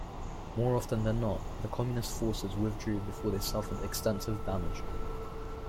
More often than not, the communist forces withdrew before they suffered extensive damage.